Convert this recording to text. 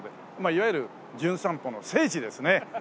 いわゆる『じゅん散歩』の聖地ですね！